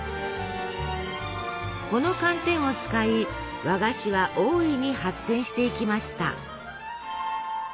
この寒天を使い和菓子は大いに発展していきました。